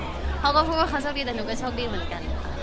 ก็ดีใจค่ะจริงเขาก็พูดว่าเขาโชคดีแต่หนูก็โชคดีเหมือนกันค่ะ